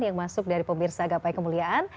yang masuk dari pemirsa gapai kemuliaan